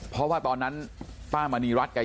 เพราะว่าตอนนั้นป้ามณีรัฐแก